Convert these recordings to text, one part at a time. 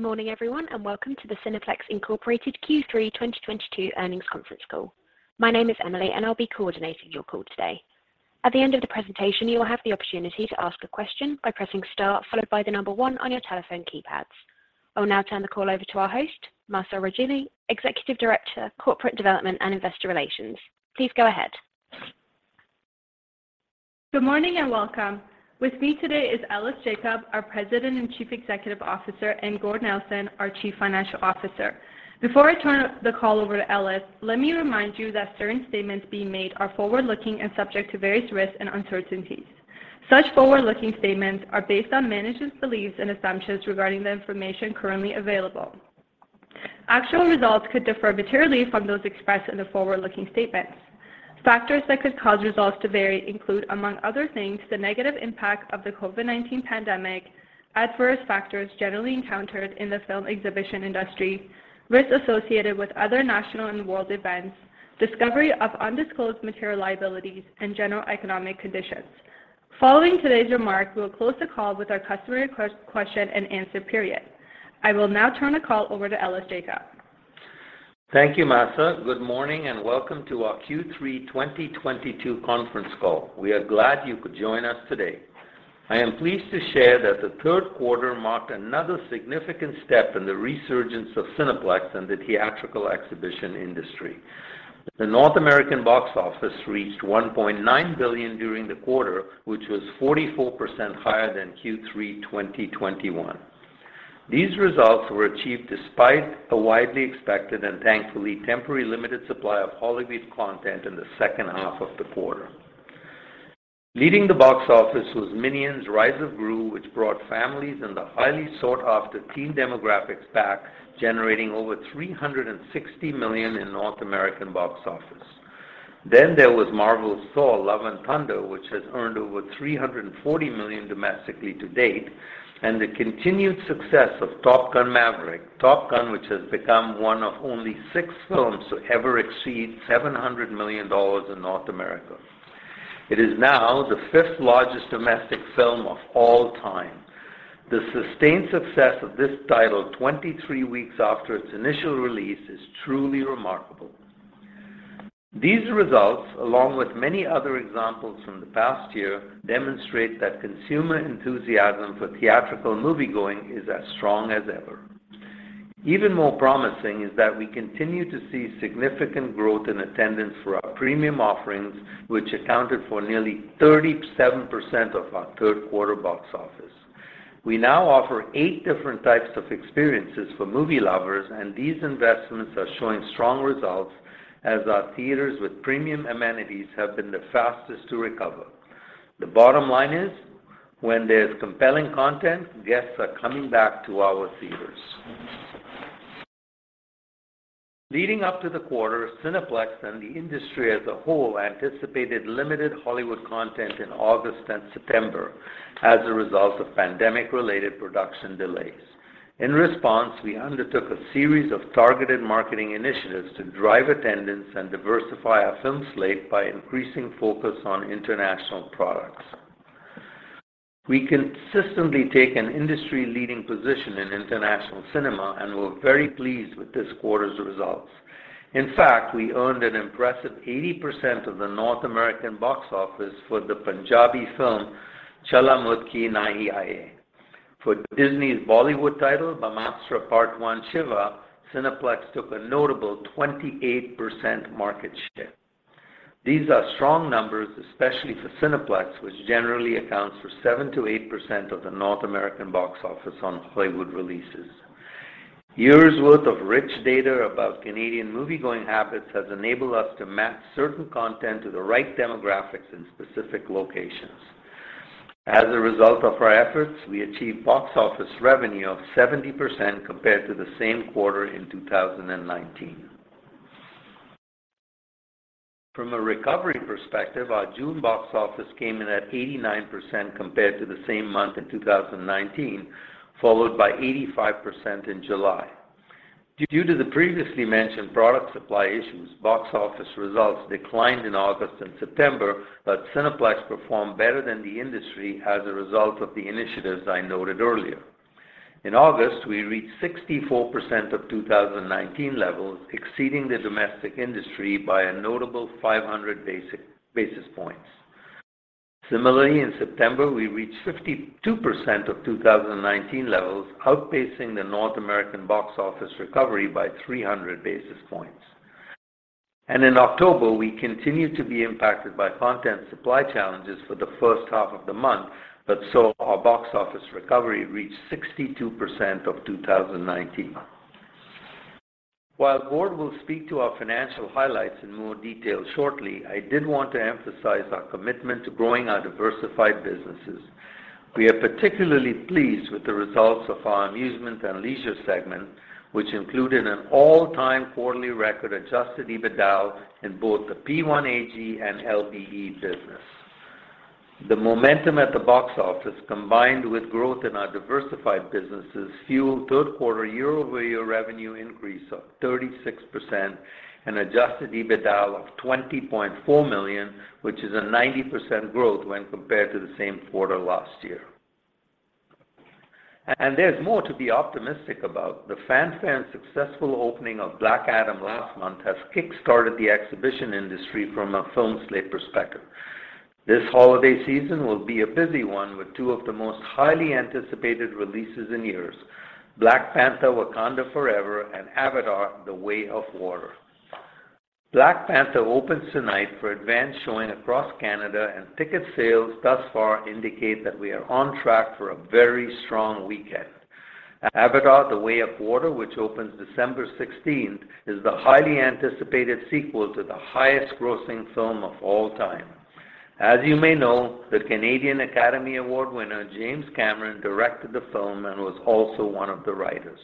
Good morning everyone, and welcome to the Cineplex Inc Q3 2022 earnings conference call. My name is Emily, and I'll be coordinating your call today. At the end of the presentation, you will have the opportunity to ask a question by pressing star followed by the number one on your telephone keypads. I will now turn the call over to our host, Mahsa Rejali, Executive Director, Corporate Development and Investor Relations. Please go ahead. Good morning and welcome. With me today is Ellis Jacob, our President and Chief Executive Officer, and Gord Nelson, our Chief Financial Officer. Before I turn the call over to Ellis, let me remind you that certain statements being made are forward-looking and subject to various risks and uncertainties. Such forward-looking statements are based on management's beliefs and assumptions regarding the information currently available. Actual results could differ materially from those expressed in the forward-looking statements. Factors that could cause results to vary include, among other things, the negative impact of the COVID-19 pandemic, adverse factors generally encountered in the film exhibition industry, risks associated with other national and world events, discovery of undisclosed material liabilities, and general economic conditions. Following today's remarks, we will close the call with our customer question-and-answer period. I will now turn the call over to Ellis Jacob. Thank you, Mahsa. Good morning and welcome to our Q3 2022 conference call. We are glad you could join us today. I am pleased to share that the third quarter marked another significant step in the resurgence of Cineplex and the theatrical exhibition industry. The North American box office reached $1.9 billion during the quarter, which was 44% higher than Q3 2021. These results were achieved despite a widely expected and thankfully temporary limited supply of Hollywood content in the second half of the quarter. Leading the box office was Minions: The Rise of Gru, which brought families and the highly sought-after teen demographics back, generating over $360 million in North American box office. There was Marvel's Thor: Love and Thunder, which has earned over $340 million domestically to date, and the continued success of Top Gun: Maverick. Top Gun, which has become one of only six films to ever exceed $700 million in North America. It is now the fifth-largest domestic film of all time. The sustained success of this title 23 weeks after its initial release is truly remarkable. These results, along with many other examples from the past year, demonstrate that consumer enthusiasm for theatrical moviegoing is as strong as ever. Even more promising is that we continue to see significant growth in attendance for our premium offerings, which accounted for nearly 37% of our third quarter box office. We now offer eight different types of experiences for movie lovers, and these investments are showing strong results as our theaters with premium amenities have been the fastest to recover. The bottom line is, when there's compelling content, guests are coming back to our theaters. Leading up to the quarter, Cineplex and the industry as a whole anticipated limited Hollywood content in August and September as a result of pandemic-related production delays. In response, we undertook a series of targeted marketing initiatives to drive attendance and diversify our film slate by increasing focus on international products. We consistently take an industry-leading position in international cinema, and we're very pleased with this quarter's results. In fact, we earned an impressive 80% of the North American box office for the Punjabi film Chhalla Mud Ke Nahi Aaya. For Disney's Bollywood title, Brahmāstra: Part One – Shiva, Cineplex took a notable 28% market share. These are strong numbers, especially for Cineplex, which generally accounts for 7%-8% of the North American box office on [Bollywood] releases. Years' worth of rich data about Canadian moviegoing habits has enabled us to map certain content to the right demographics in specific locations. As a result of our efforts, we achieved box office revenue of 70% compared to the same quarter in 2019. From a recovery perspective, our June box office came in at 89% compared to the same month in 2019, followed by 85% in July. Due to the previously mentioned product supply issues, box office results declined in August and September, but Cineplex performed better than the industry as a result of the initiatives I noted earlier. In August, we reached 64% of 2019 levels, exceeding the domestic industry by a notable 500 basis points. Similarly, in September, we reached 52% of 2019 levels, outpacing the North American box office recovery by 300 basis points. In October, we continued to be impacted by content supply challenges for the first half of the month, but saw our box office recovery reach 62% of 2019. While Gord will speak to our financial highlights in more detail shortly, I did want to emphasize our commitment to growing our diversified businesses. We are particularly pleased with the results of our Amusement and Leisure segment, which included an all-time quarterly record adjusted EBITDA in both the P1AG and LBE business. The momentum at the box office, combined with growth in our diversified businesses, fueled third quarter year-over-year revenue increase of 36% and adjusted EBITDA of 20.4 million, which is a 90% growth when compared to the same quarter last year. There's more to be optimistic about. The blockbuster successful opening of Black Adam last month has kickstarted the exhibition industry from a film slate perspective. This holiday season will be a busy one with two of the most highly anticipated releases in years, Black Panther: Wakanda Forever and Avatar: The Way of Water. Black Panther opens tonight for advanced showing across Canada, and ticket sales thus far indicate that we are on track for a very strong weekend. Avatar: The Way of Water, which opens December 16, is the highly anticipated sequel to the highest grossing film of all time. As you may know, the Canadian Academy Award winner, James Cameron, directed the film and was also one of the writers.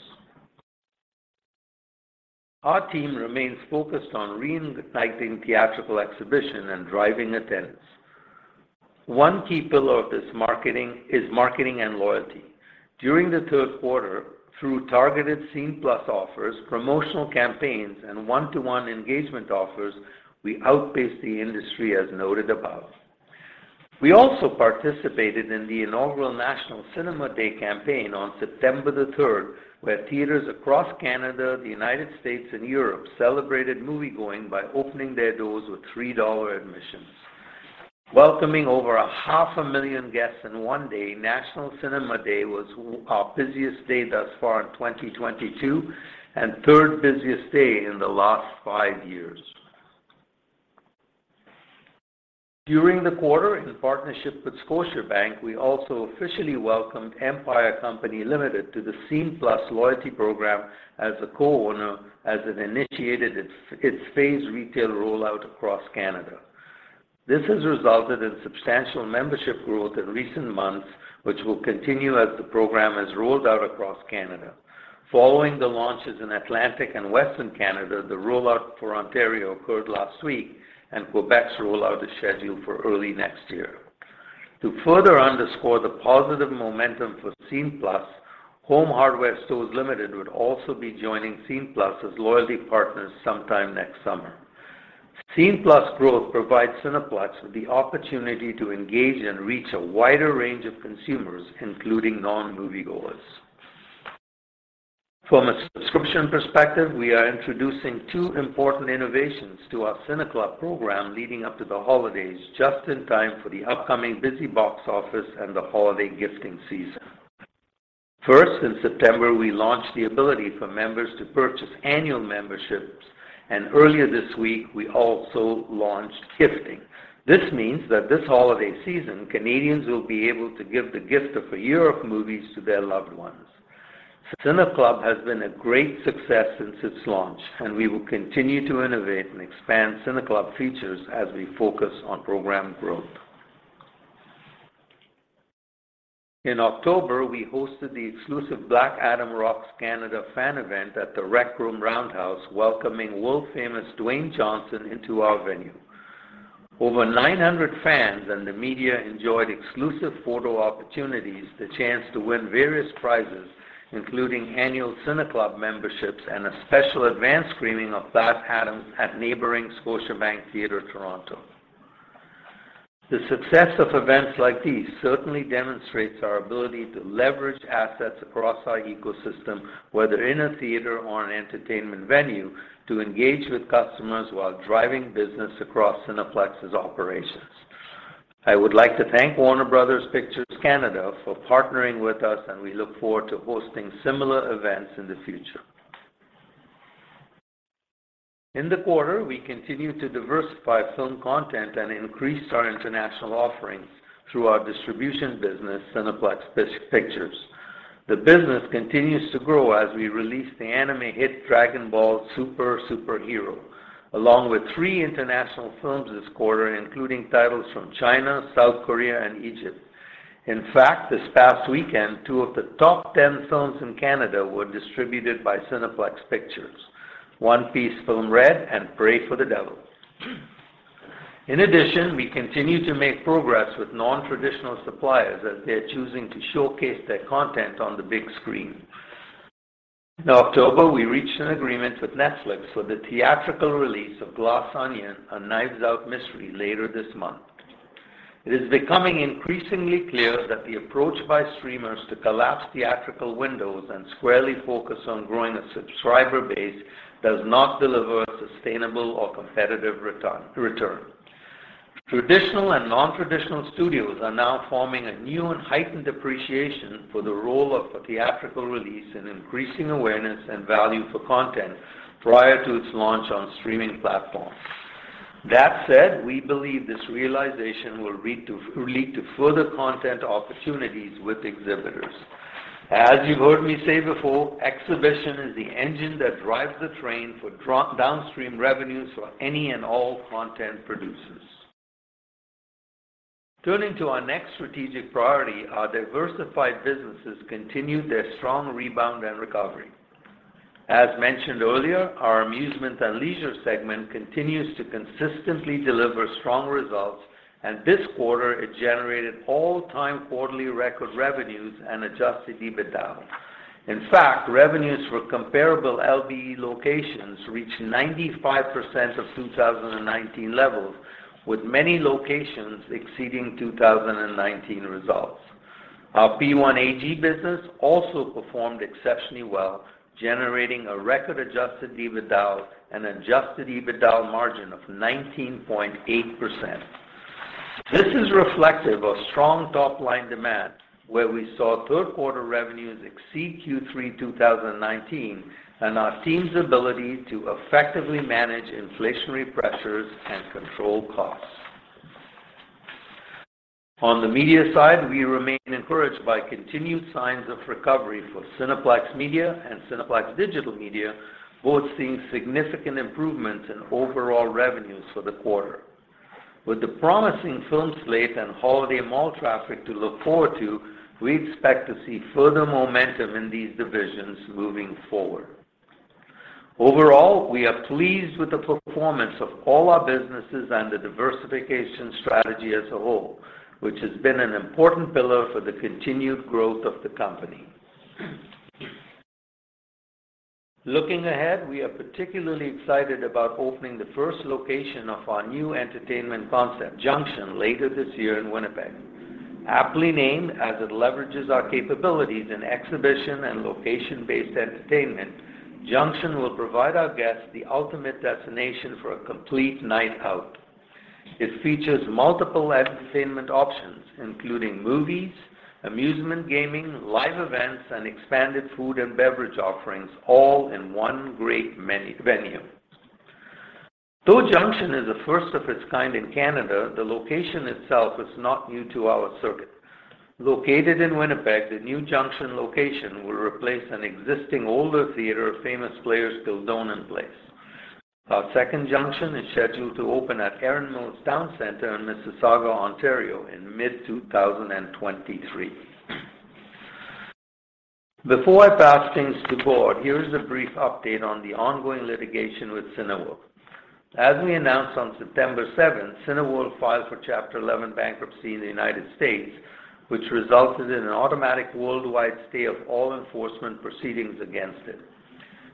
Our team remains focused on reigniting theatrical exhibition and driving attendance. One key pillar of this marketing is marketing and loyalty. During the third quarter, through targeted Scene+ offers, promotional campaigns, and one-to-one engagement offers, we outpaced the industry as noted above. We also participated in the inaugural National Cinema Day campaign on September the 3rd, where theaters across Canada, the United States, and Europe celebrated moviegoing by opening their doors with 3 dollar admissions. Welcoming over 500,000 guests in one day, National Cinema Day was our busiest day thus far in 2022 and third busiest day in the last five years. During the quarter in partnership with Scotiabank, we also officially welcomed Empire Company Ltd to the Scene+ loyalty program as a co-owner as it initiated its phased retail rollout across Canada. This has resulted in substantial membership growth in recent months, which will continue as the program is rolled out across Canada. Following the launches in Atlantic and Western Canada, the rollout for Ontario occurred last week, and Quebec's rollout is scheduled for early next year. To further underscore the positive momentum for Scene+, Home Hardware Stores Limited would also be joining Scene+ as loyalty partners sometime next summer. Scene+ growth provides Cineplex with the opportunity to engage and reach a wider range of consumers, including non-moviegoers. From a subscription perspective, we are introducing two important innovations to our CineClub program leading up to the holidays, just in time for the upcoming busy box office and the holiday gifting season. First, in September, we launched the ability for members to purchase annual memberships, and earlier this week, we also launched gifting. This means that this holiday season, Canadians will be able to give the gift of a year of movies to their loved ones. CineClub has been a great success since its launch, and we will continue to innovate and expand CineClub features as we focus on program growth. In October, we hosted the exclusive Black Adam Rocks Canada fan event at the Rec Room Roundhouse, welcoming world-famous Dwayne Johnson into our venue. Over 900 fans and the media enjoyed exclusive photo opportunities, the chance to win various prizes, including annual CineClub memberships and a special advanced screening of Black Adam at neighboring Scotiabank Theatre Toronto. The success of events like these certainly demonstrates our ability to leverage assets across our ecosystem, whether in a theater or an entertainment venue, to engage with customers while driving business across Cineplex's operations. I would like to thank Warner Bros. Pictures for partnering with us, and we look forward to hosting similar events in the future. In the quarter, we continued to diversify film content and increased our international offerings through our distribution business, Cineplex Pictures. The business continues to grow as we release the anime hit Dragon Ball Super: Super Hero, along with three international films this quarter, including titles from China, South Korea, and Egypt. In fact, this past weekend, two of the top 10 films in Canada were distributed by Cineplex Pictures, One Piece Film: Red and Prey for the Devil. In addition, we continue to make progress with non-traditional suppliers as they are choosing to showcase their content on the big screen. In October, we reached an agreement with Netflix for the theatrical release of Glass Onion: A Knives Out Mystery later this month. It is becoming increasingly clear that the approach by streamers to collapse theatrical windows and squarely focus on growing a subscriber base does not deliver a sustainable or competitive return. Traditional and non-traditional studios are now forming a new and heightened appreciation for the role of a theatrical release in increasing awareness and value for content prior to its launch on streaming platforms. That said, we believe this realization will lead to further content opportunities with exhibitors. As you've heard me say before, exhibition is the engine that drives the train for downstream revenues for any and all content producers. Turning to our next strategic priority, our diversified businesses continued their strong rebound and recovery. As mentioned earlier, our Amusement and Leisure segment continues to consistently deliver strong results, and this quarter, it generated all-time quarterly record revenues and adjusted EBITDA. In fact, revenues for comparable LBE locations reached 95% of 2019 levels, with many locations exceeding 2019 results. Our P1AG business also performed exceptionally well, generating a record adjusted EBITDA and adjusted EBITDA margin of 19.8%. This is reflective of strong top-line demand, where we saw third quarter revenues exceed Q3 2019, and our team's ability to effectively manage inflationary pressures and control costs. On the media side, we remain encouraged by continued signs of recovery for Cineplex Media and Cineplex Digital Media, both seeing significant improvements in overall revenues for the quarter. With the promising film slate and holiday mall traffic to look forward to, we expect to see further momentum in these divisions moving forward. Overall, we are pleased with the performance of all our businesses and the diversification strategy as a whole, which has been an important pillar for the continued growth of the company. Looking ahead, we are particularly excited about opening the first location of our new entertainment concept, Junxion, later this year in Winnipeg. Aptly named as it leverages our capabilities in exhibition and location-based entertainment, Junxion will provide our guests the ultimate destination for a complete night out. It features multiple entertainment options, including movies, amusement gaming, live events, and expanded food and beverage offerings, all in one great venue. Though Junxion is the first of its kind in Canada, the location itself is not new to our circuit. Located in Winnipeg, the new Junxion location will replace an existing older theater, Famous Players Kildonan Place. Our second Junxion is scheduled to open at Erin Mills Town Centre in Mississauga, Ontario in mid-2023. Before I pass things to Gord, here's a brief update on the ongoing litigation with Cineworld. As we announced on September 7, Cineworld filed for Chapter 11 bankruptcy in the United States, which resulted in an automatic worldwide stay of all enforcement proceedings against it.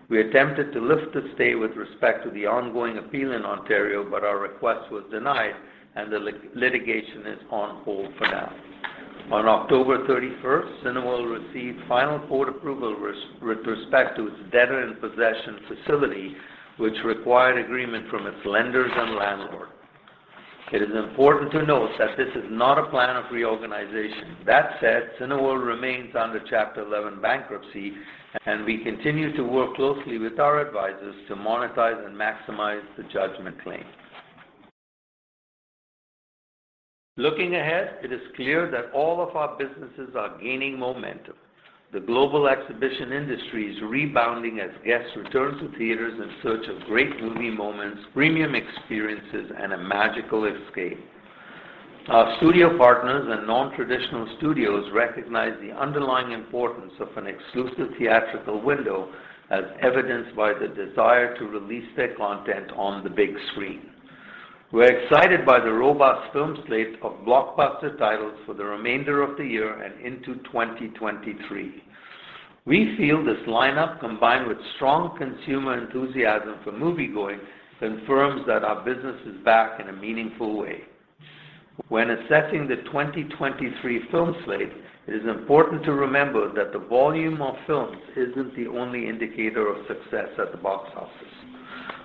We attempted to lift the stay with respect to the ongoing appeal in Ontario, but our request was denied and the litigation is on hold for now. On October 31st, Cineworld received final court approval with respect to its debtor-in-possession facility, which required agreement from its lenders and landlord. It is important to note that this is not a plan of reorganization. That said, Cineworld remains under Chapter 11 bankruptcy, and we continue to work closely with our advisors to monetize and maximize the judgment claim. Looking ahead, it is clear that all of our businesses are gaining momentum. The global exhibition industry is rebounding as guests return to theaters in search of great movie moments, premium experiences, and a magical escape. Our studio partners and non-traditional studios recognize the underlying importance of an exclusive theatrical window as evidenced by the desire to release their content on the big screen. We're excited by the robust film slate of blockbuster titles for the remainder of the year and into 2023. We feel this lineup, combined with strong consumer enthusiasm for moviegoing, confirms that our business is back in a meaningful way. When assessing the 2023 film slate, it is important to remember that the volume of films isn't the only indicator of success at the box office.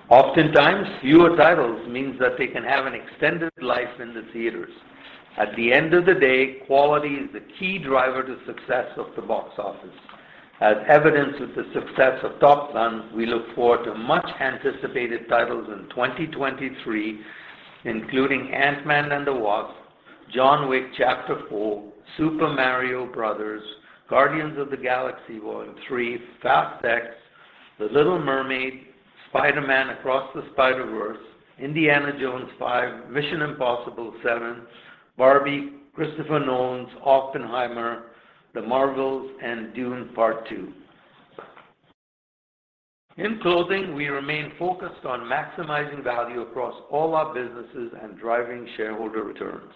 Oftentimes, fewer titles means that they can have an extended life in the theaters. At the end of the day, quality is the key driver to success of the box office. As evidenced with the success of Top Gun, we look forward to much-anticipated titles in 2023, including Ant-Man and the Wasp, John Wick: Chapter 4, The Super Mario Bros., Guardians of the Galaxy Vol. 3, Fast X, The Little Mermaid, Spider-Man: Across the Spider-Verse, Indiana Jones 5, Mission: Impossible 7, Barbie, Christopher Nolan's Oppenheimer, The Marvels, and Dune: Part Two. In closing, we remain focused on maximizing value across all our businesses and driving shareholder returns.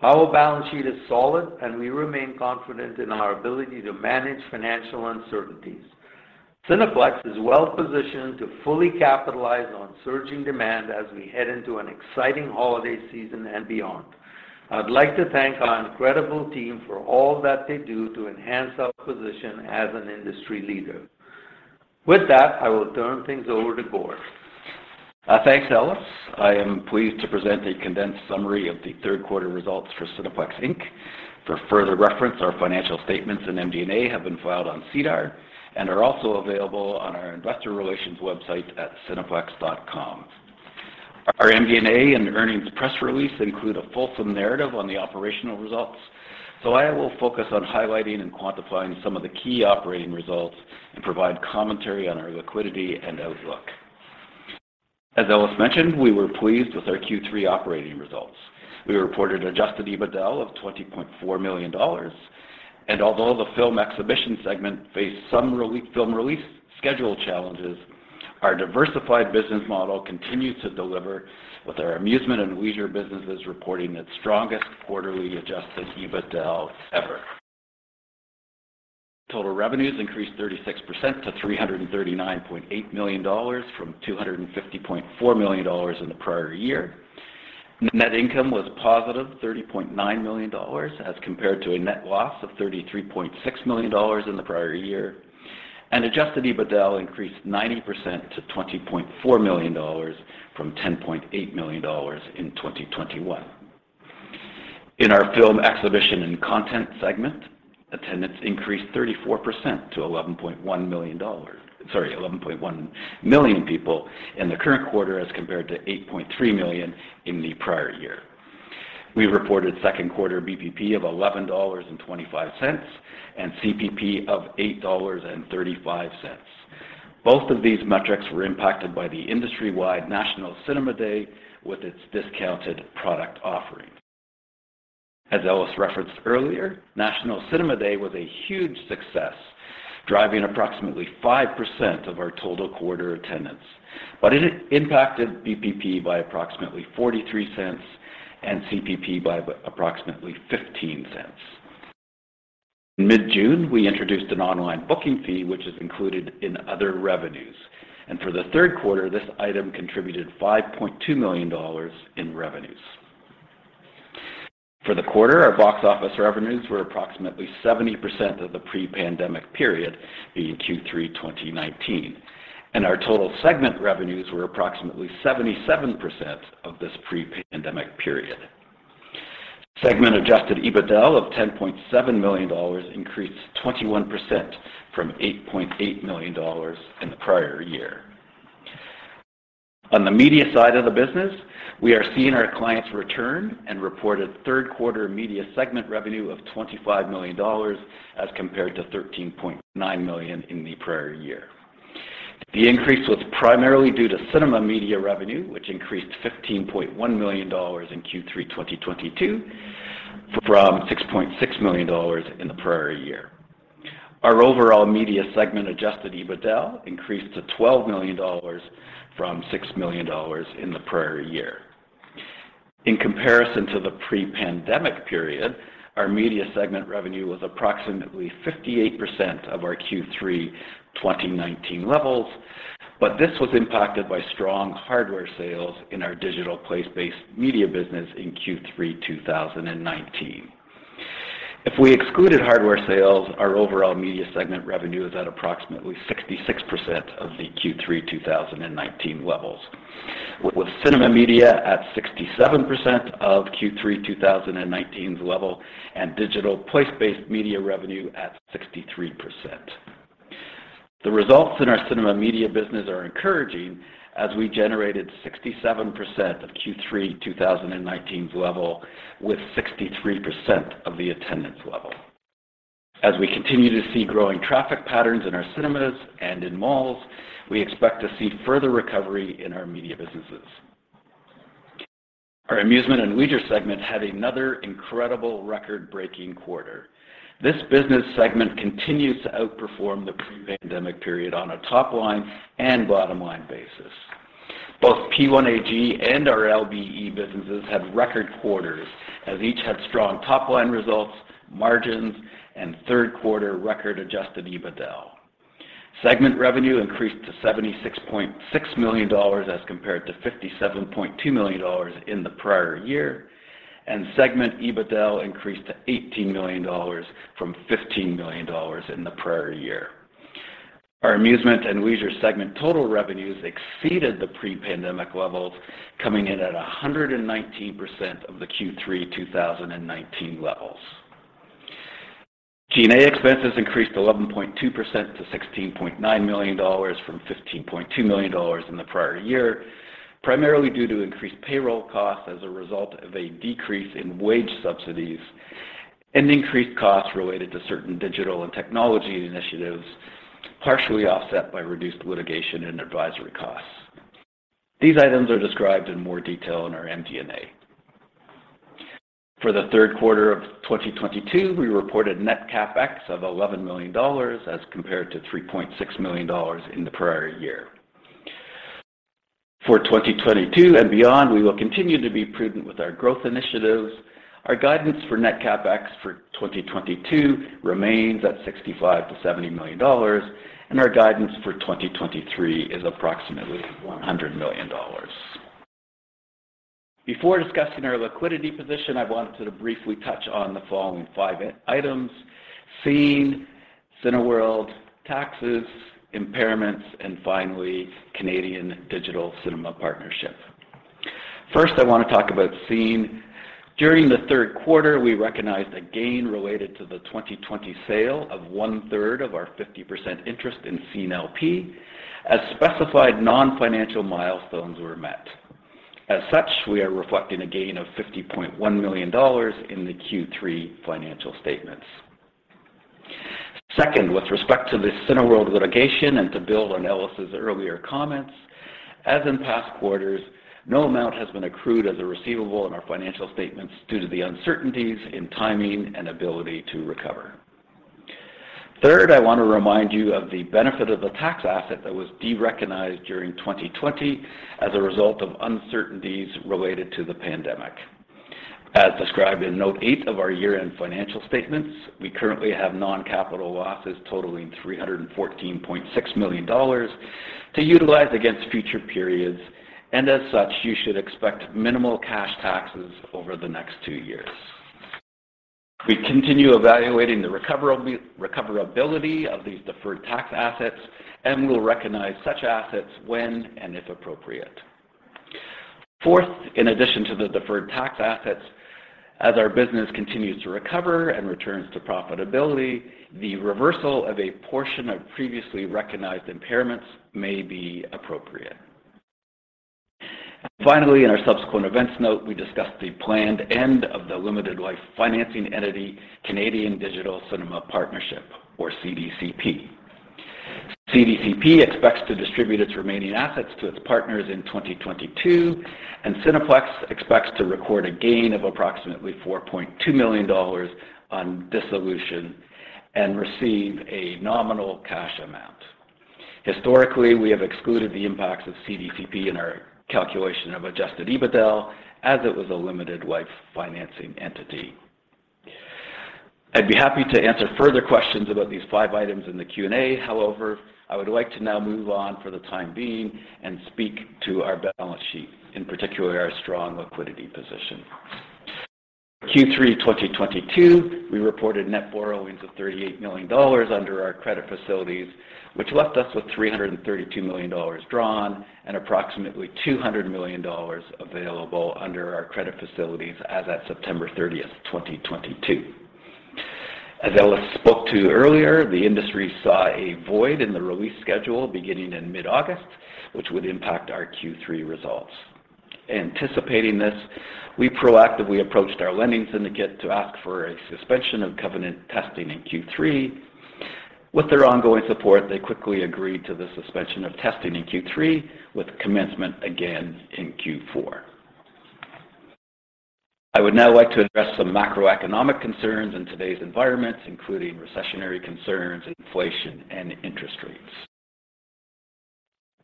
Our balance sheet is solid, and we remain confident in our ability to manage financial uncertainties. Cineplex is well-positioned to fully capitalize on surging demand as we head into an exciting holiday season and beyond. I'd like to thank our incredible team for all that they do to enhance our position as an industry leader. With that, I will turn things over to Gordon. Thanks, Ellis. I am pleased to present a condensed summary of the third quarter results for Cineplex Inc. For further reference, our financial statements and MD&A have been filed on SEDAR and are also available on our Investor Relations website at cineplex.com. Our MD&A and earnings press release include a fulsome narrative on the operational results. I will focus on highlighting and quantifying some of the key operating results and provide commentary on our liquidity and outlook. As Ellis mentioned, we were pleased with our Q3 operating results. We reported adjusted EBITDA of 20.4 million dollars. Although the film exhibition segment faced some film release schedule challenges. Our diversified business model continued to deliver with our Amusement and Leisure businesses reporting its strongest quarterly adjusted EBITDAaL ever. Total revenues increased 36% to 339.8 million dollars from 250.4 million dollars in the prior year. Net income was +30.9 million dollars as compared to a net loss of 33.6 million dollars in the prior year. Adjusted EBITDAaL increased 90% to 20.4 million dollars from 10.8 million dollars in 2021. In our Film Exhibition and Content segment, attendance increased 34% to 11.1 million dollars, sorry, 11.1 million people in the current quarter as compared to 8.3 million in the prior year. We reported second quarter BPP of 11.25 dollars, and CPP of 8.35 dollars. Both of these metrics were impacted by the industry-wide National Cinema Day with its discounted product offering. As Ellis referenced earlier, National Cinema Day was a huge success, driving approximately 5% of our total quarter attendance. It impacted BPP by approximately 0.43 and CPP by approximately 0.15. In mid-June, we introduced an online booking fee which is included in other revenues. For the third quarter, this item contributed 5.2 million dollars in revenues. For the quarter, our box office revenues were approximately 70% of the pre-pandemic period in Q3 2019. Our total segment revenues were approximately 77% of this pre-pandemic period. Segment adjusted EBITDAaL of 10.7 million dollars increased 21% from 8.8 million dollars in the prior year. On the media side of the business, we are seeing our clients return and reported third quarter Media segment revenue of 25 million dollars as compared to 13.9 million in the prior year. The increase was primarily due to cinema media revenue, which increased 15.1 million dollars in Q3 2022 from 6.6 million dollars in the prior year. Our overall Media segment adjusted EBITDAaL increased to 12 million dollars from 6 million dollars in the prior year. In comparison to the pre-pandemic period, our Media segment revenue was approximately 58% of our Q3 2019 levels, but this was impacted by strong hardware sales in our digital place-based media business in Q3 2019. If we excluded hardware sales, our overall Media segment revenue is at approximately 66% of the Q3 2019 levels, with cinema media at 67% of Q3 2019's level and digital place-based media revenue at 63%. The results in our cinema media business are encouraging as we generated 67% of Q3 2019's level with 63% of the attendance level. As we continue to see growing traffic patterns in our cinemas and in malls, we expect to see further recovery in our media businesses. Our Amusement and Leisure segment had another incredible record-breaking quarter. This business segment continues to outperform the pre-pandemic period on a top line and bottom line basis. Both P1AG and our LBE businesses had record quarters as each had strong top line results, margins, and third quarter record-adjusted EBITDAaL. Segment revenue increased to 76.6 million dollars as compared to 57.2 million dollars in the prior year, and segment EBITDAaL increased to 18 million dollars from 15 million dollars in the prior year. Our Amusement and Leisure segment total revenues exceeded the pre-pandemic levels coming in at 119% of the Q3 2019 levels. G&A expenses increased 11.2% to 16.9 million dollars from 15.2 million dollars in the prior year, primarily due to increased payroll costs as a result of a decrease in wage subsidies and increased costs related to certain digital and technology initiatives, partially offset by reduced litigation and advisory costs. These items are described in more detail in our MD&A. For the third quarter of 2022, we reported net CapEx of 11 million dollars as compared to 3.6 million dollars in the prior year. For 2022 and beyond, we will continue to be prudent with our growth initiatives. Our guidance for net CapEx for 2022 remains at 65 million-70 million dollars, and our guidance for 2023 is approximately 100 million dollars. Before discussing our liquidity position, I wanted to briefly touch on the following five items, Scene, Cineworld, taxes, impairments, and finally, Canadian Digital Cinema Partnership. First, I want to talk about Scene. During the third quarter, we recognized a gain related to the 2020 sale of one-third of our 50% interest in Scene LP as specified non-financial milestones were met. As such, we are reflecting a gain of 50.1 million dollars in the Q3 financial statements. Second, with respect to the Cineworld litigation and to build on Ellis's earlier comments. As in past quarters, no amount has been accrued as a receivable in our financial statements due to the uncertainties in timing and ability to recover. Third, I want to remind you of the benefit of the tax asset that was derecognized during 2020 as a result of uncertainties related to the pandemic. As described in Note 8 of our year-end financial statements, we currently have non-capital losses totaling 314.6 million dollars to utilize against future periods, and as such, you should expect minimal cash taxes over the next two years. We continue evaluating the recoverability of these deferred tax assets and will recognize such assets when and if appropriate. Fourth, in addition to the deferred tax assets, as our business continues to recover and returns to profitability, the reversal of a portion of previously recognized impairments may be appropriate. Finally, in our subsequent events note, we discussed the planned end of the limited life financing entity Canadian Digital Cinema Partnership, or CDCP. CDCP expects to distribute its remaining assets to its partners in 2022, and Cineplex expects to record a gain of approximately 4.2 million dollars on dissolution and receive a nominal cash amount. Historically, we have excluded the impacts of CDCP in our calculation of adjusted EBITDA, as it was a limited life financing entity. I'd be happy to answer further questions about these five items in the Q&A. However, I would like to now move on for the time being and speak to our balance sheet, in particular our strong liquidity position. Q3 2022, we reported net borrowings of 38 million dollars under our credit facilities, which left us with 332 million dollars drawn and approximately 200 million dollars available under our credit facilities as at September 30th, 2022. Ellis spoke to earlier, the industry saw a void in the release schedule beginning in mid-August, which would impact our Q3 results. Anticipating this, we proactively approached our lending syndicate to ask for a suspension of covenant testing in Q3. With their ongoing support, they quickly agreed to the suspension of testing in Q3 with commencement again in Q4. I would now like to address some macroeconomic concerns in today's environment, including recessionary concerns, inflation, and interest rates.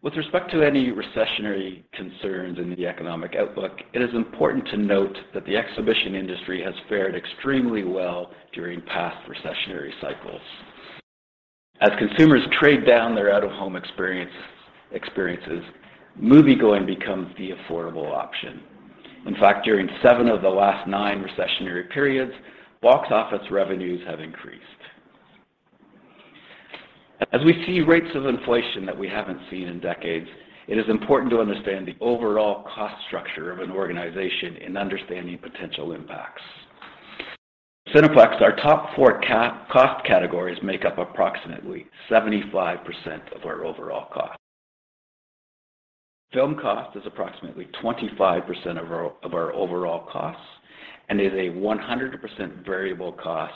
With respect to any recessionary concerns in the economic outlook, it is important to note that the exhibition industry has fared extremely well during past recessionary cycles. As consumers trade down their out-of-home experiences, moviegoing becomes the affordable option. In fact, during seven of the last nine recessionary periods, box office revenues have increased. As we see rates of inflation that we haven't seen in decades, it is important to understand the overall cost structure of an organization in understanding potential impacts. Cineplex, our top four cost categories make up approximately 75% of our overall costs. Film cost is approximately 25% of our overall costs and is a 100% variable cost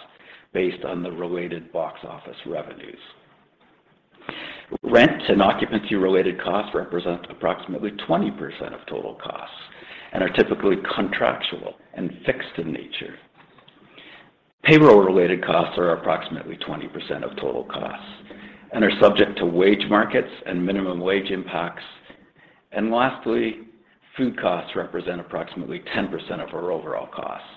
based on the related box office revenues. Rent and occupancy-related costs represent approximately 20% of total costs and are typically contractual and fixed in nature. Payroll-related costs are approximately 20% of total costs and are subject to wage markets and minimum wage impacts. Lastly, food costs represent approximately 10% of our overall costs,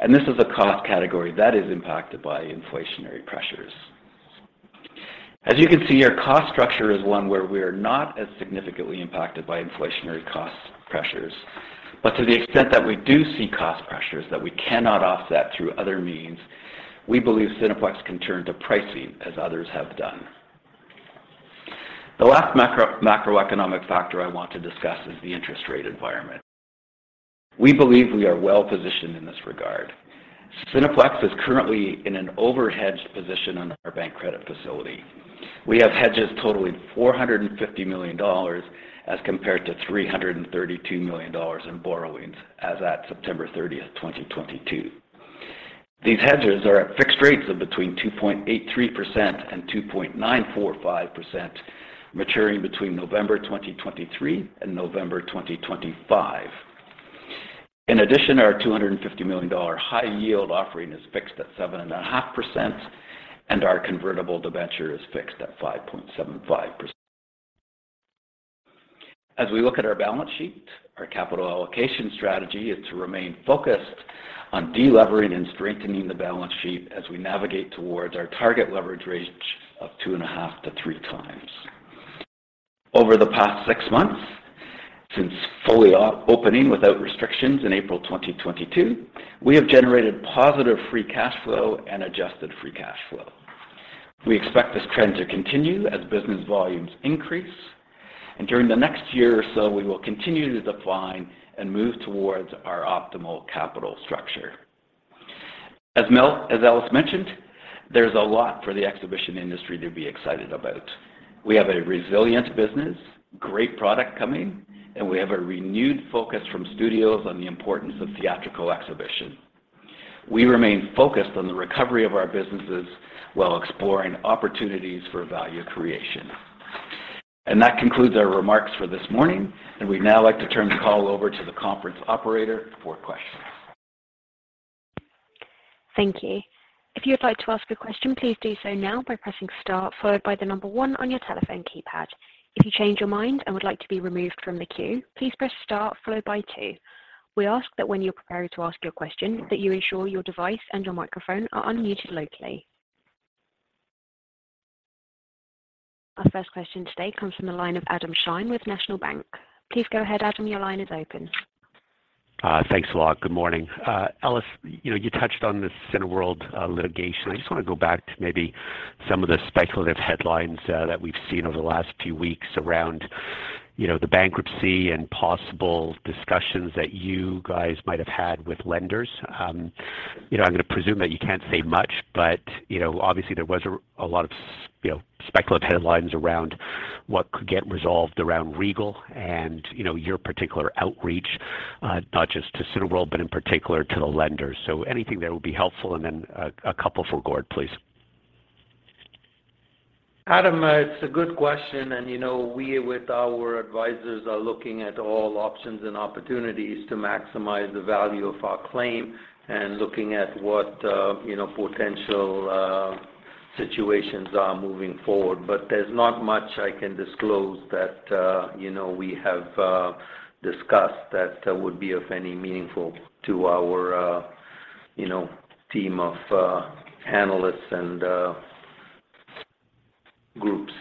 and this is a cost category that is impacted by inflationary pressures. As you can see, our cost structure is one where we are not as significantly impacted by inflationary cost pressures. To the extent that we do see cost pressures that we cannot offset through other means, we believe Cineplex can turn to pricing as others have done. The last macroeconomic factor I want to discuss is the interest rate environment. We believe we are well-positioned in this regard. Cineplex is currently in an over-hedged position on our bank credit facility. We have hedges totaling 450 million dollars as compared to 332 million dollars in borrowings as at September 30th, 2022. These hedges are at fixed rates of between 2.83% and 2.945%, maturing between November 2023 and November 2025. In addition, our 250 million dollar high-yield offering is fixed at 7.5%, and our convertible debenture is fixed at 5.75%. As we look at our balance sheet, our capital allocation strategy is to remain focused on de-levering and strengthening the balance sheet as we navigate towards our target leverage range of 2.5x-3x. Over the past six months, since fully opening without restrictions in April 2022, we have generated positive free cash flow and adjusted free cash flow. We expect this trend to continue as business volumes increase, and during the next year or so, we will continue to decline and move towards our optimal capital structure. As Ellis mentioned, there's a lot for the exhibition industry to be excited about. We have a resilient business, great product coming, and we have a renewed focus from studios on the importance of theatrical exhibition. We remain focused on the recovery of our businesses while exploring opportunities for value creation. That concludes our remarks for this morning, and we'd now like to turn the call over to the conference operator for questions. Thank you. If you would like to ask a question, please do so now by pressing star followed by the number one on your telephone keypad. If you change your mind and would like to be removed from the queue, please press star followed by two. We ask that when you're prepared to ask your question, that you ensure your device and your microphone are unmuted locally. Our first question today comes from the line of Adam Shine with National Bank Financial. Please go ahead, Adam. Your line is open. Thanks a lot. Good morning. Ellis, you know, you touched on this Cineworld litigation. I just wanna go back to maybe some of the speculative headlines that we've seen over the last few weeks around, you know, the bankruptcy and possible discussions that you guys might have had with lenders. You know, I'm gonna presume that you can't say much, but, you know, obviously there was a lot of you know, speculative headlines around what could get resolved around Regal and, you know, your particular outreach, not just to Cineworld, but in particular to the lenders. So anything that would be helpful? And then a couple for Gord, please. Adam, it's a good question. You know, we with our advisors are looking at all options and opportunities to maximize the value of our claim and looking at what, you know, potential situations are moving forward. There's not much I can disclose that, you know, we have discussed that would be of any meaning to our, you know, team of analysts and groups.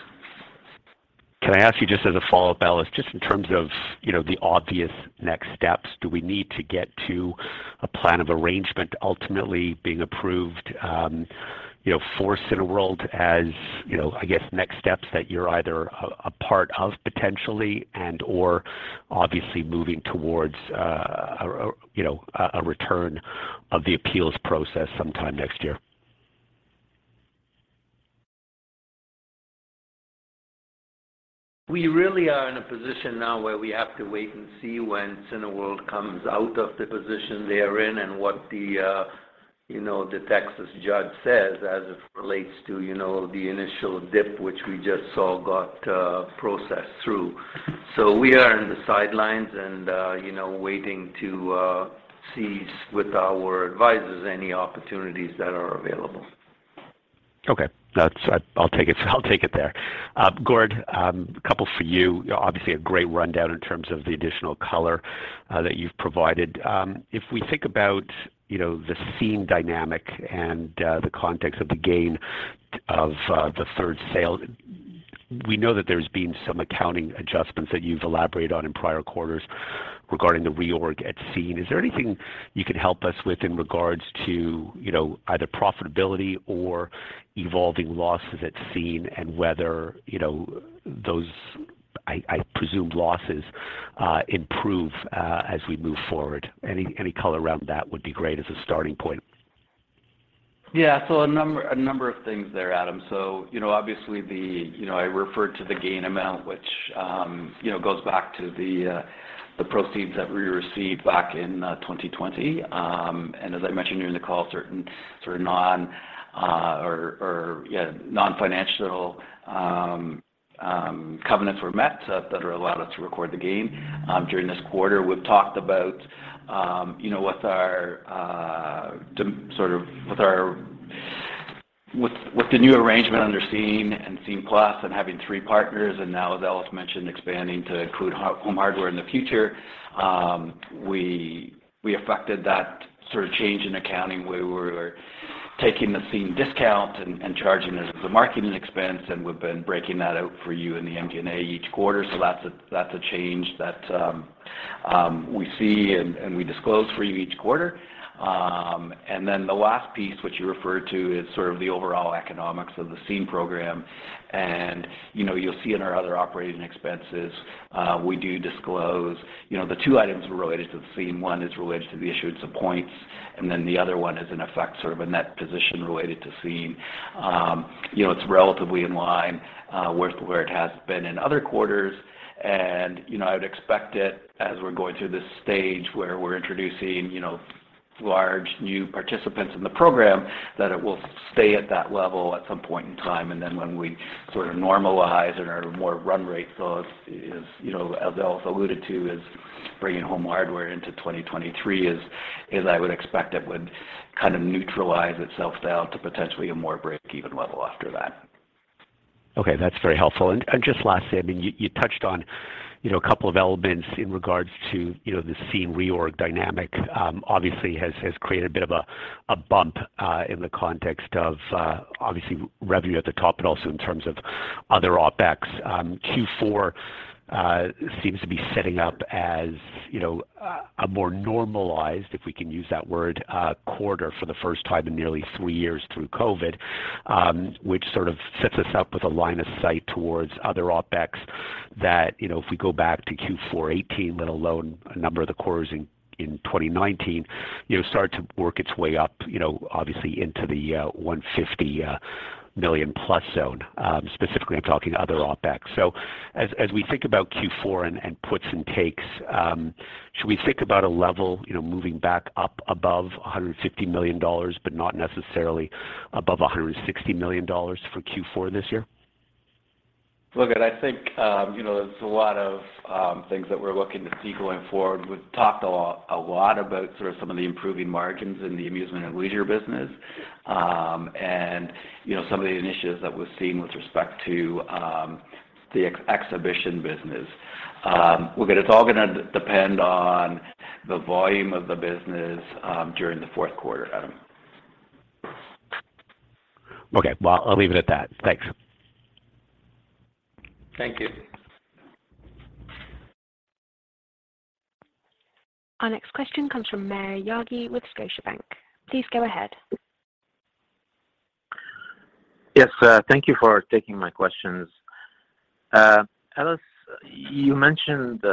Can I ask you just as a follow-up, Ellis, just in terms of, you know, the obvious next steps, do we need to get to a plan of arrangement ultimately being approved, you know, for Cineworld as, you know, I guess, next steps that you're either a part of potentially and/or obviously moving towards, you know, a return of the appeals process sometime next year? We really are in a position now where we have to wait and see when Cineworld comes out of the position they are in and what the, you know, the Texas judge says as it relates to, you know, the initial dip, which we just saw got processed through. We are in the sidelines and, you know, waiting to see with our advisors any opportunities that are available. Okay. I'll take it there. Gord, a couple for you. Obviously a great rundown in terms of the additional color that you've provided. If we think about, you know, the Scene dynamic and the context of the gain of the third sale, we know that there's been some accounting adjustments that you've elaborated on in prior quarters regarding the reorg at Scene. Is there anything you can help us with in regards to, you know, either profitability or evolving losses at Scene and whether, you know, those I presume losses improve as we move forward? Any color around that would be great as a starting point. A number of things there, Adam. You know, obviously I referred to the gain amount, which, you know, goes back to the proceeds that we received back in 2020. As I mentioned during the call, certain sort of non-financial covenants were met that allowed us to record the gain. During this quarter, we've talked about, you know, with our new arrangement under Scene and Scene+ and having three partners, and now as Ellis mentioned, expanding to include Home Hardware in the future, we affected that sort of change in accounting where we were taking the Scene discount and charging it as a marketing expense, and we've been breaking that out for you in the SG&A each quarter. That's a change that we see and we disclose for you each quarter. Then the last piece which you referred to is sort of the overall economics of the Scene program. You'll see in our other operating expenses, we do disclose the two items related to the Scene. One is related to the issuance of points, and then the other one is in effect, sort of a net position related to Scene. You know, it's relatively in line with where it has been in other quarters. You know, I would expect it as we're going through this stage where we're introducing, you know, large new participants in the program, that it will stay at that level at some point in time. Then when we sort of normalize and are more run rate, so as you know, as Ellis alluded to, is bringing Home Hardware into 2023 is I would expect it would kind of neutralize itself down to potentially a more break-even level after that. Okay, that's very helpful. Just lastly, I mean, you touched on, you know, a couple of elements in regards to, you know, the Scene reorg dynamic obviously has created a bit of a bump in the context of obviously revenue at the top, but also in terms of other OpEx. Q4 seems to be setting up as, you know, a more normalized, if we can use that word, quarter for the first time in nearly three years through COVID, which sort of sets us up with a line of sight towards other OpEx that, you know, if we go back to Q4 2018, let alone a number of the quarters in 2019, you know, start to work its way up, you know, obviously into the 150 million+ zone. Specifically, I'm talking other OpEx. As we think about Q4 and puts and takes, should we think about a level, you know, moving back up above 150 million dollars, but not necessarily above 160 million dollars for Q4 this year? Look, I think, you know, there's a lot of things that we're looking to see going forward. We've talked a lot about sort of some of the improving margins in the amusement and leisure business. You know, some of the initiatives that we've seen with respect to the exhibition business. Look, it's all gonna depend on the volume of the business during the fourth quarter, Adam. Okay. Well, I'll leave it at that. Thanks. Thank you. Our next question comes from Maher Yaghi with Scotiabank. Please go ahead. Yes. Thank you for taking my questions. Ellis, you mentioned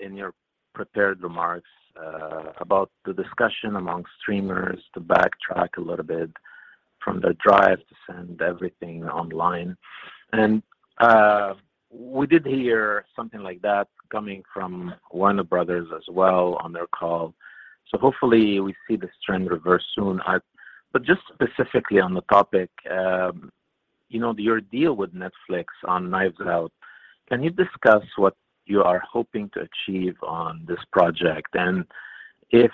in your prepared remarks about the discussion among streamers to backtrack a little bit from the drive to send everything online. We did hear something like that coming from Warner Bros. as well on their call. Hopefully we see this trend reverse soon. Just specifically on the topic, you know, your deal with Netflix on Knives Out, can you discuss what you are hoping to achieve on this project? If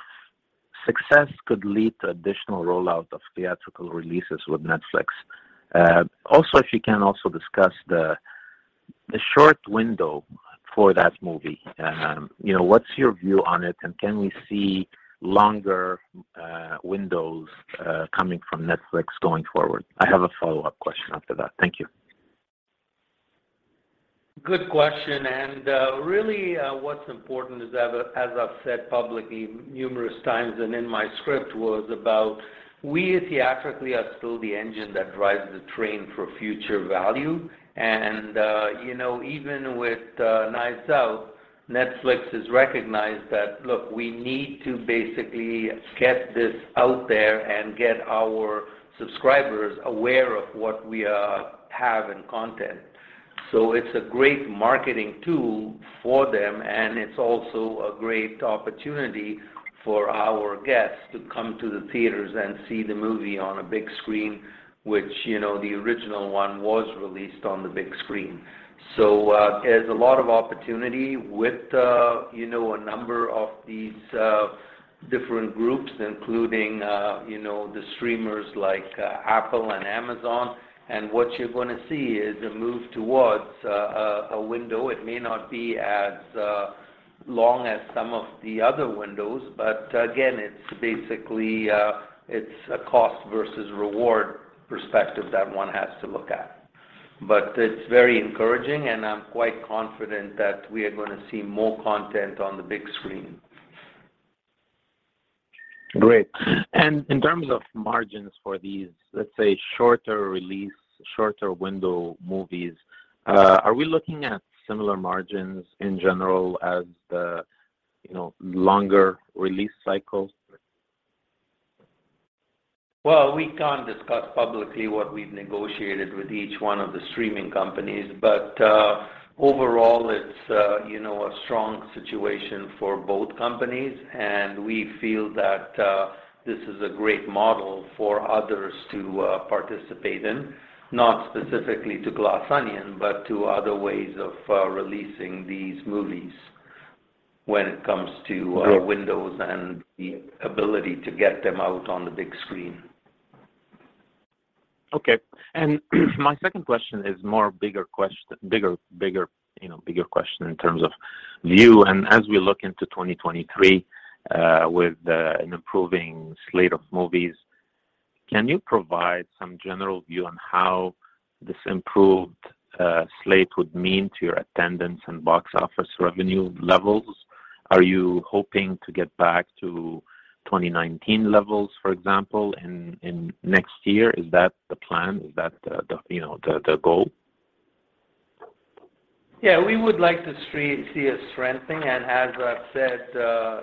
success could lead to additional rollout of theatrical releases with Netflix. Also, if you can also discuss the short window for that movie. You know, what's your view on it, and can we see longer windows coming from Netflix going forward? I have a follow-up question after that. Thank you. Good question. Really, what's important is, as I've said publicly numerous times and in my script, was about we theatrically are still the engine that drives the train for future value. You know, even with Knives Out, Netflix has recognized that, look, we need to basically get this out there and get our subscribers aware of what we have in content. It's a great marketing tool for them, and it's also a great opportunity for our guests to come to the theaters and see the movie on a big screen, which, you know, the original one was released on the big screen. There's a lot of opportunity with, you know, a number of these different groups, including, you know, the streamers like Apple and Amazon. What you're gonna see is a move towards a window. It may not be as long as some of the other windows, but again, it's basically, it's a cost versus reward perspective that one has to look at. It's very encouraging, and I'm quite confident that we are gonna see more content on the big screen. Great. In terms of margins for these, let's say, shorter release, shorter window movies, are we looking at similar margins in general as the, you know, longer release cycles? Well, we can't discuss publicly what we've negotiated with each one of the streaming companies, but overall, it's, you know, a strong situation for both companies. We feel that this is a great model for others to participate in, not specifically to Glass Onion, but to other ways of releasing these movies when it comes to. Sure Windows and the ability to get them out on the big screen. Okay. My second question is more bigger bigger, you know, bigger question in terms of view. As we look into 2023, with an improving slate of movies, can you provide some general view on how this improved slate would mean to your attendance and box office revenue levels? Are you hoping to get back to 2019 levels, for example, in next year? Is that the plan? Is that the, you know, the goal? Yeah. We would like to see a strengthening. As I've said,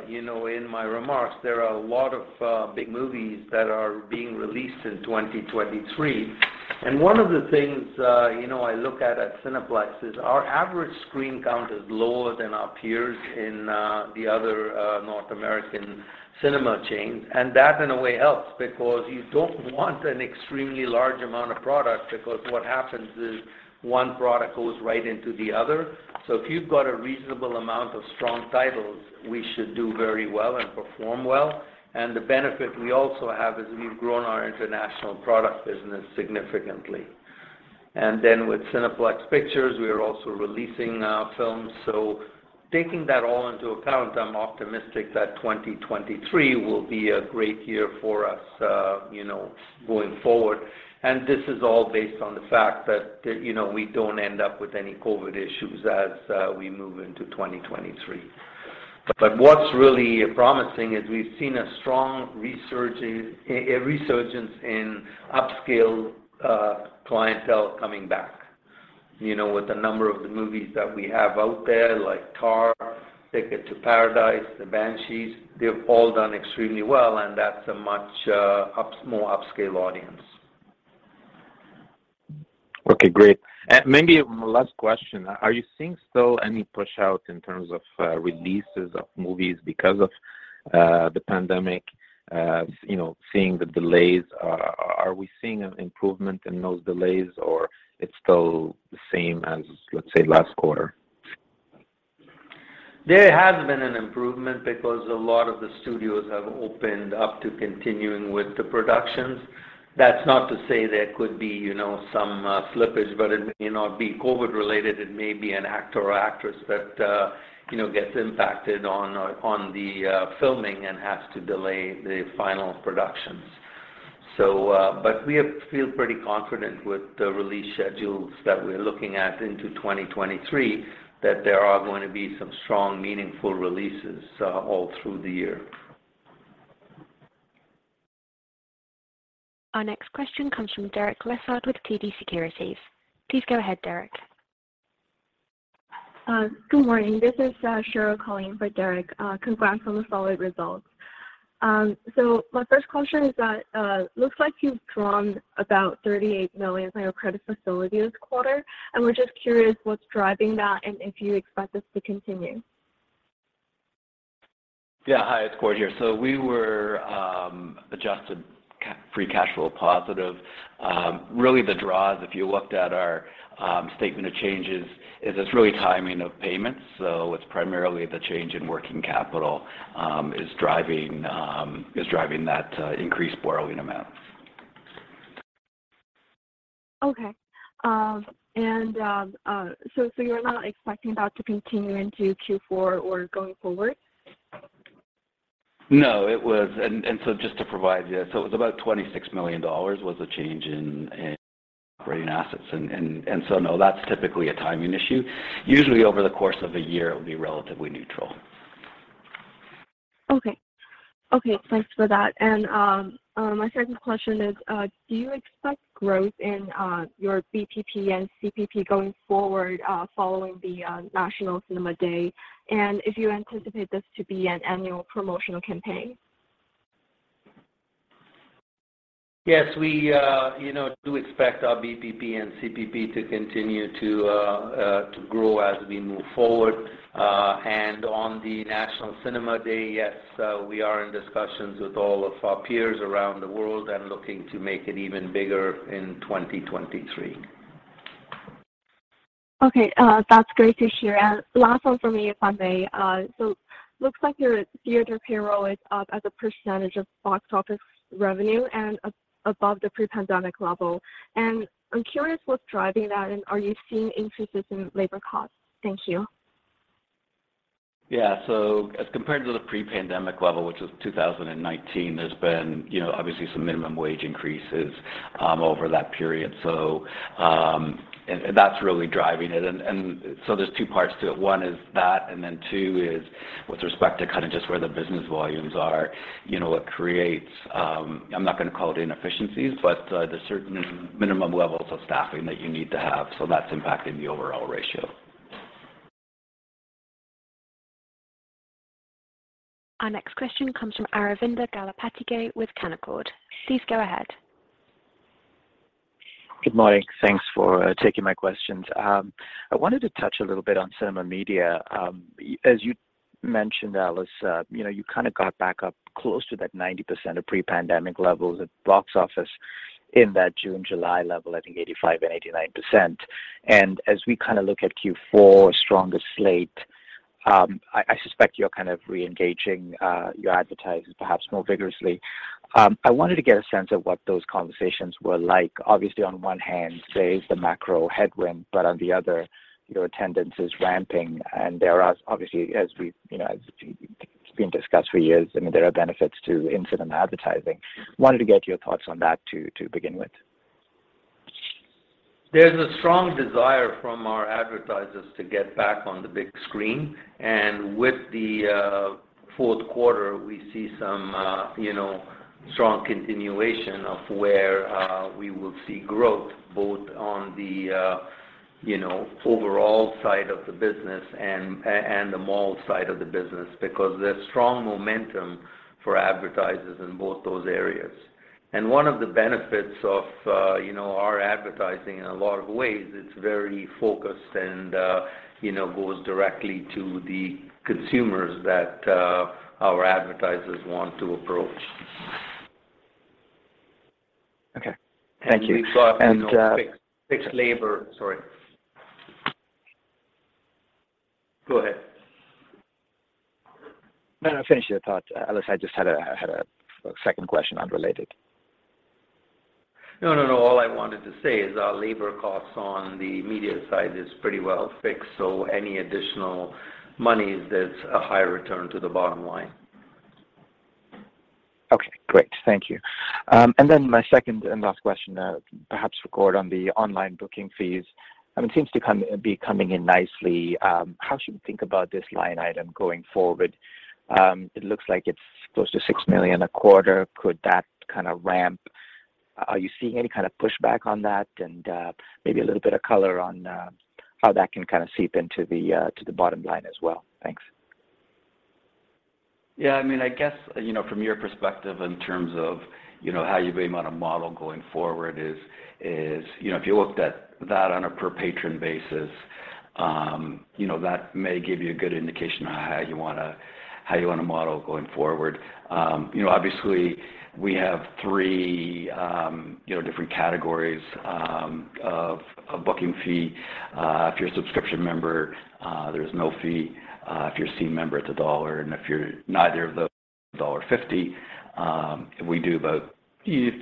you know, in my remarks, there are a lot of big movies that are being released in 2023. One of the things, you know, I look at Cineplex is our average screen count is lower than our peers in the other North American cinema chains. That in a way helps because you don't want an extremely large amount of product because what happens is one product goes right into the other. If you've got a reasonable amount of strong titles, we should do very well and perform well. The benefit we also have is we've grown our international product business significantly. Then with Cineplex Pictures, we are also releasing our films. Taking that all into account, I'm optimistic that 2023 will be a great year for us, going forward. This is all based on the fact that we don't end up with any COVID issues as we move into 2023. What's really promising is we've seen a strong resurgence in upscale clientele coming back. With the number of movies that we have out there, like Tár, Ticket to Paradise, the Banshees, they've all done extremely well, and that's a much more upscale audience. Okay, great. Maybe my last question. Are you seeing still any pushout in terms of releases of movies because of? The pandemic, you know, seeing the delays, are we seeing an improvement in those delays or it's still the same as, let's say, last quarter? There has been an improvement because a lot of the studios have opened up to continuing with the productions. That's not to say there could be, you know, some slippage, but it may not be COVID-related. It may be an actor or actress that, you know, gets impacted on the filming and has to delay the final productions. We feel pretty confident with the release schedules that we're looking at into 2023 that there are going to be some strong, meaningful releases all through the year. Our next question comes from Derek Lessard with TD Securities. Please go ahead, Derek. Good morning. This is Cheryl calling for Derek. Congrats on the solid results. My first question is that looks like you've drawn about 38 million from your credit facility this quarter, and we're just curious what's driving that and if you expect this to continue? Hi, it's Gord here. We were adjusted free cash flow positive. Really the draws, if you looked at our statement of changes, it's really timing of payments. It's primarily the change in working capital is driving that increased borrowing amount. You're not expecting that to continue into Q4 or going forward? No, it was just to provide you, it was about 26 million dollars was the change in operating assets. No, that's typically a timing issue. Usually over the course of a year it will be relatively neutral. Okay, thanks for that. My second question is, do you expect growth in your BPP and CPP going forward, following the National Cinema Day? If you anticipate this to be an annual promotional campaign? Yes, we, you know, do expect our BPP and CPP to continue to grow as we move forward. On the National Cinema Day, yes, we are in discussions with all of our peers around the world and looking to make it even bigger in 2023. Okay. That's great to hear. Last one from me, if I may. Looks like your theater payroll is up as a percentage of box office revenue and above the pre-pandemic level. I'm curious what's driving that, and are you seeing increases in labor costs? Thank you. Yeah. As compared to the pre-pandemic level, which was 2019, there's been, you know, obviously some minimum wage increases over that period. That's really driving it. There's two parts to it. One is that, and then two is with respect to kind of just where the business volumes are. You know, what creates, I'm not gonna call it inefficiencies, but, there's certain minimum levels of staffing that you need to have. That's impacting the overall ratio. Our next question comes from Aravinda Galappatthige with Canaccord. Please go ahead. Good morning. Thanks for taking my questions. I wanted to touch a little bit on cinema media. As you mentioned, Ellis Jacob, you know, you kind of got back up close to that 90% of pre-pandemic levels at box office in that June, July level, I think 85% and 89%. As we kind of look at Q4 stronger slate, I suspect you're kind of re-engaging your advertisers perhaps more vigorously. I wanted to get a sense of what those conversations were like? Obviously, on one hand, there is the macro headwind, but on the other, your attendance is ramping and there are obviously, as we've discussed for years, you know, I mean, there are benefits to in-cinema advertising. Wanted to get your thoughts on that to begin with. There's a strong desire from our advertisers to get back on the big screen. With the fourth quarter, we see some, you know, strong continuation of where we will see growth both on the, you know, overall side of the business and the mall side of the business because there's strong momentum for advertisers in both those areas. One of the benefits of, you know, our advertising in a lot of ways, it's very focused and, you know, goes directly to the consumers that our advertisers want to approach. Okay. Thank you. We saw, you know, fixed labor. Sorry. Go ahead. No, no, finish your thought, Ellis. I just had a second question unrelated. No, no. All I wanted to say is our labor costs on the media side is pretty well fixed, so any additional money is just a higher return to the bottom line. Okay, great. Thank you. My second and last question, perhaps for Gord on the online booking fees. I mean, it seems to be coming in nicely. How should we think about this line item going forward? It looks like it's close to 6 million a quarter. Could that kind of ramp? Are you seeing any kind of pushback on that? And maybe a little bit of color on how that can kind of seep into the bottom line as well? Thanks. Yeah. I mean, I guess, you know, from your perspective in terms of, you know, how you may want to model going forward is, you know, if you looked at that on a per patron basis, you know, that may give you a good indication on how you wanna model going forward. You know, obviously we have three, you know, different categories of a booking fee. If you're a subscription member, there's no fee. If you're a Scene member, it's CAD 1. If you're neither of those, it's dollar 1.50. We do about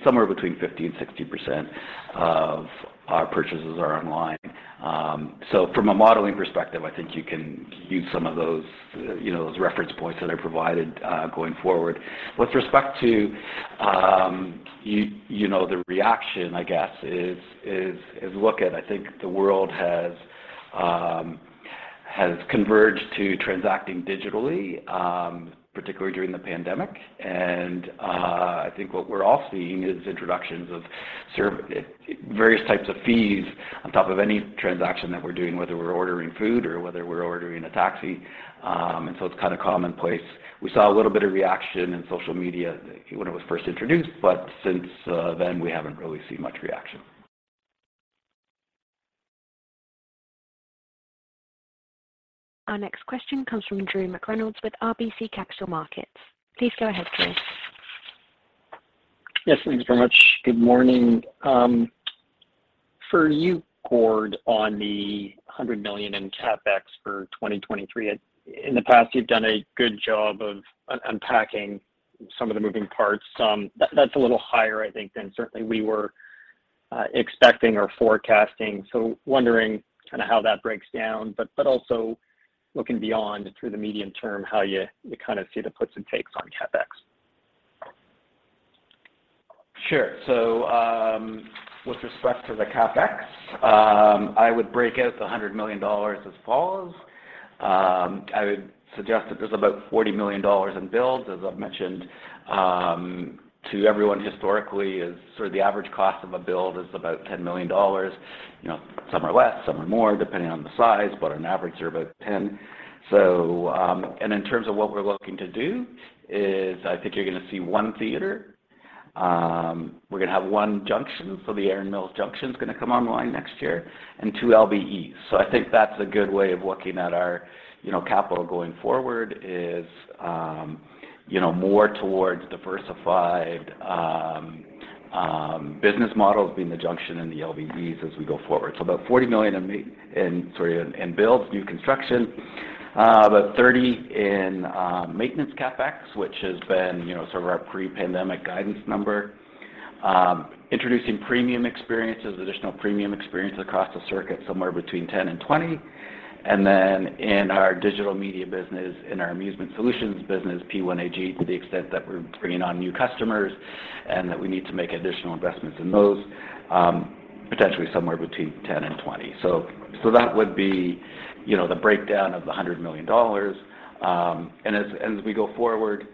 somewhere between 50%-60% of our purchases are online. So from a modeling perspective, I think you can use some of those, you know, those reference points that I provided, going forward. With respect to you know the reaction I guess is look at I think the world has converged to transacting digitally particularly during the pandemic. I think what we're all seeing is introductions of various types of fees on top of any transaction that we're doing whether we're ordering food or whether we're ordering a taxi. It's kind of commonplace. We saw a little bit of reaction in social media when it was first introduced but since then we haven't really seen much reaction. Our next question comes from Drew McReynolds with RBC Capital Markets. Please go ahead, Drew. Yes, thank you very much. Good morning. For you, Gord, on the 100 million in CapEx for 2023, in the past you've done a good job of unpacking some of the moving parts. That's a little higher I think than certainly we were expecting or forecasting. Wondering kind of how that breaks down, but also looking beyond through the medium term, how you kind of see the puts and takes on CapEx. Sure. With respect to the CapEx, I would break out 100 million dollars as follows. I would suggest that there's about 40 million dollars in builds. As I've mentioned to everyone historically is sort of the average cost of a build is about 10 million dollars. You know, some are less, some are more depending on the size, but on average they're about 10. And in terms of what we're looking to do is I think you're gonna see one theater. We're gonna have one Junxion. The Erin Mills Junxion's gonna come online next year and two LBEs. I think that's a good way of looking at our, you know, capital going forward, is, you know, more towards diversified, business models being the Junxion and the LBEs as we go forward. About 40 million in builds, new construction. About 30 million in maintenance CapEx, which has been, you know, sort of our pre-pandemic guidance number. Introducing premium experiences, additional premium experiences across the circuit, somewhere between 10 million-20 million. In our digital media business, in our amusement solutions business, P1AG, to the extent that we're bringing on new customers and that we need to make additional investments in those, potentially somewhere between 10 million-20 million. That would be, you know, the breakdown of the 100 million dollars. As we go forward,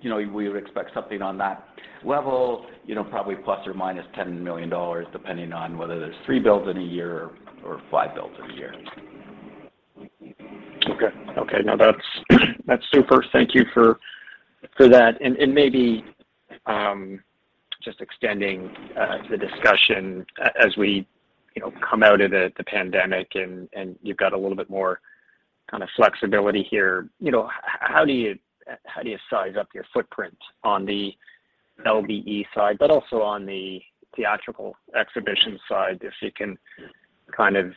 you know, we would expect something on that level, you know, probably ±10 million dollars depending on whether there's three builds in a year or five builds in a year. Okay. No, that's super. Thank you for that. Maybe just extending the discussion as we, you know, come out of the pandemic and you've got a little bit more kind of flexibility here. You know, how do you size up your footprint on the LBE side, but also on the theatrical exhibition side? If you can kind of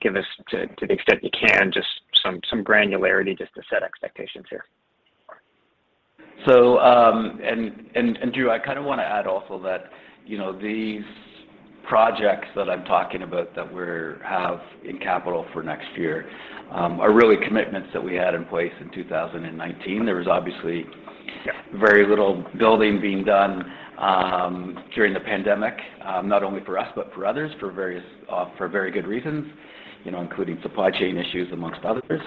give us, to the extent you can, just some granularity just to set expectations here? Drew, I kind of want to add also that, you know, these projects that I'm talking about that we have in capital for next year, are really commitments that we had in place in 2019. There was obviously. Yeah Very little building being done during the pandemic, not only for us, but for others, for very good reasons, you know, including supply chain issues among others.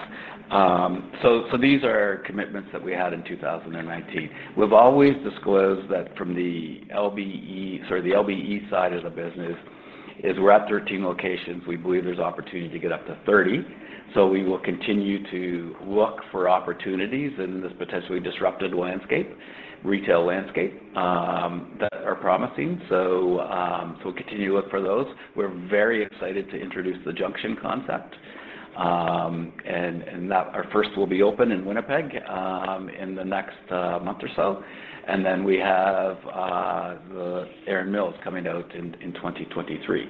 These are commitments that we had in 2019. We've always disclosed that from the LBE, sorry, the LBE side of the business is we're at 13 locations. We believe there's opportunity to get up to 30. We will continue to look for opportunities in this potentially disrupted landscape, retail landscape, that are promising. We'll continue to look for those. We're very excited to introduce the Junxion concept. Our first will be open in Winnipeg in the next month or so. Then we have the Erin Mills coming out in 2023.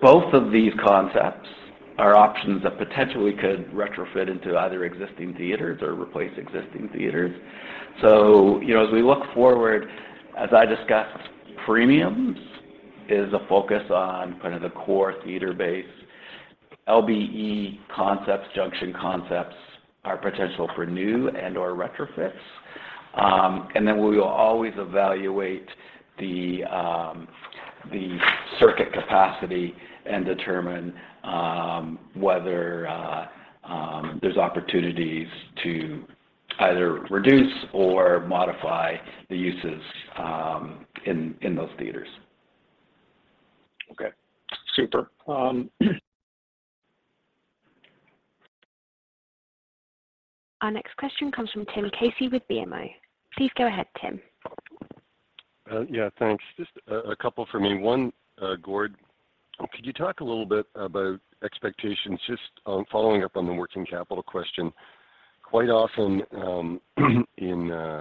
Both of these concepts are options that potentially could retrofit into either existing theaters or replace existing theaters. You know, as we look forward, as I discussed, premiums is a focus on kind of the core theater base. LBE concepts, Junxion concepts are potential for new and/or retrofits. We will always evaluate the circuit capacity and determine whether there's opportunities to either reduce or modify the uses in those theaters. Okay. Super. Our next question comes from Tim Casey with BMO. Please go ahead, Tim. Yeah, thanks. Just a couple for me. One, Gord, could you talk a little bit about expectations just on following up on the working capital question? Quite often, in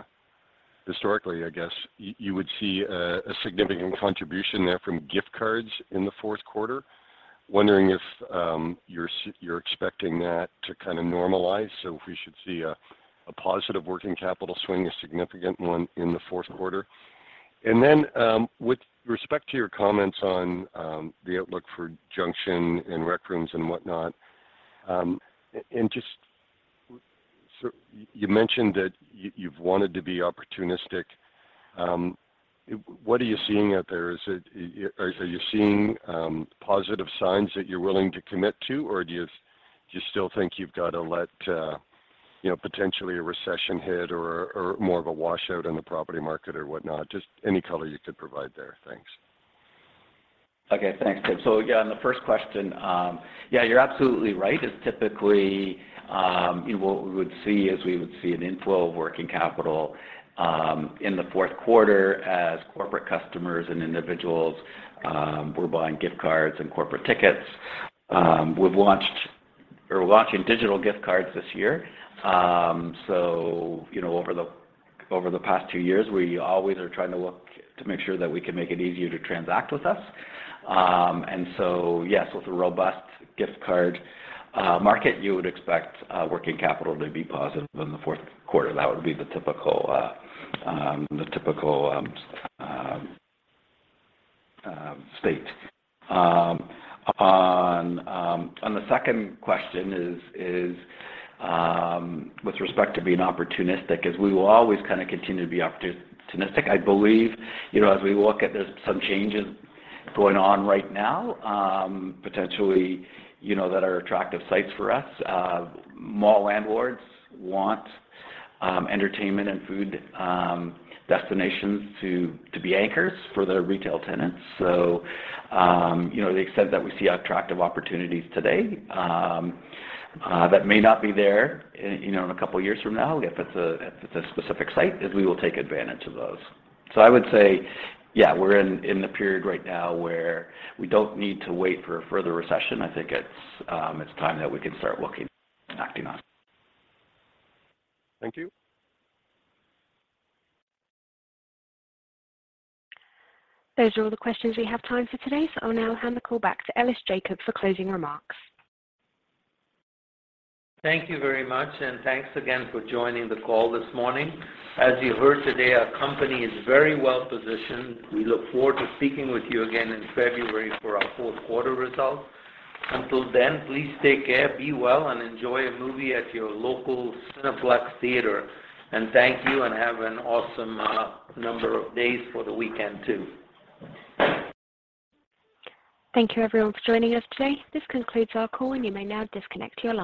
historically, I guess, you would see a significant contribution there from gift cards in the fourth quarter. Wondering if, you're expecting that to kinda normalize, so if we should see a positive working capital swing, a significant one in the fourth quarter? With respect to your comments on the outlook for Junxion and Rec Room and whatnot, and just so you mentioned that you've wanted to be opportunistic. What are you seeing out there? Are you seeing positive signs that you're willing to commit to or do you still think you've gotta let you know, potentially a recession hit or more of a washout in the property market or whatnot? Just any color you could provide there? Thanks. Okay. Thanks, Tim. Yeah, on the first question, yeah, you're absolutely right. It's typically you know what we would see is an inflow of working capital in the fourth quarter as corporate customers and individuals were buying gift cards and corporate tickets. We're launching digital gift cards this year. You know, over the past two years, we always are trying to look to make sure that we can make it easier to transact with us. Yes, with a robust gift card market, you would expect working capital to be positive in the fourth quarter. That would be the typical state. On the second question, with respect to being opportunistic, we will always kinda continue to be opportunistic. I believe, you know, as we look at this, some changes going on right now, potentially, you know, that are attractive sites for us. Mall landlords want entertainment and food destinations to be anchors for their retail tenants. You know, the extent that we see attractive opportunities today, that may not be there in, you know, in a couple years from now if it's a specific site, we will take advantage of those. I would say, yeah, we're in the period right now where we don't need to wait for a further recession. I think it's time that we can start looking and acting on. Thank you. Those are all the questions we have time for today, so I'll now hand the call back to Ellis Jacob for closing remarks. Thank you very much, and thanks again for joining the call this morning. As you heard today, our company is very well-positioned. We look forward to speaking with you again in February for our fourth quarter results. Until then, please take care, be well, and enjoy a movie at your local Cineplex theater. Thank you, and have an awesome number of days for the weekend too. Thank you everyone for joining us today. This concludes our call, and you may now disconnect your line.